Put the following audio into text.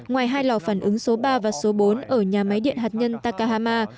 ngoài hai lò phản ứng số ba và số bốn ở nhà máy điện hạt nhân takahama